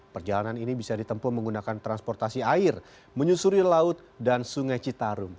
perjalanan ini bisa ditempuh menggunakan transportasi air menyusuri laut dan sungai citarum